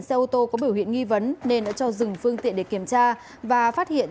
xe ô tô có biểu hiện nghi vấn nên đã cho dừng phương tiện để kiểm tra và phát hiện